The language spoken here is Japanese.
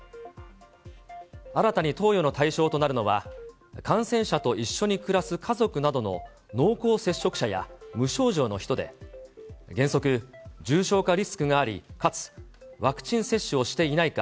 新たに投与の対象となるのは、感染者と一緒に暮らす家族などの濃厚接触者や、無症状の人で、原則、重症化リスクがあり、かつワクチン接種をしていないか、